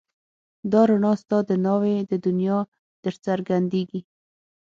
دا رڼا ستا د ناوې د دنيا درڅرګنديږي